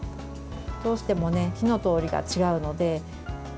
どうしても火の通りが違うので。